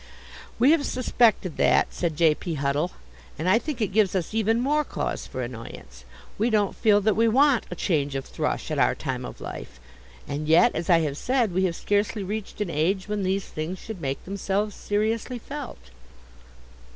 "We have suspected that," said J. P. Huddle, "and I think it gives us even more cause for annoyance. We don't feel that we want a change of thrush at our time of life; and yet, as I have said, we have scarcely reached an age when these things should make themselves seriously felt."